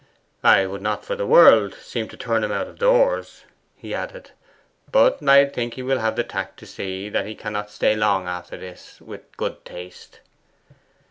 'I would not, for the world, seem to turn him out of doors,' he added; 'but I think he will have the tact to see that he cannot stay long after this, with good taste.